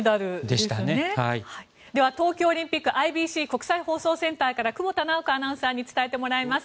では東京オリンピックＩＢＣ・国際放送センターから久保田直子アナウンサーに伝えてもらいます。